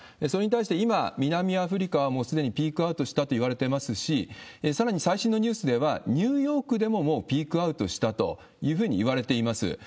それに対して今、南アフリカはもうすでにピークアウトしたといわれていますし、さらに最新のニュースでは、ニューヨークでももうピークアウトしたというふうにいわれています。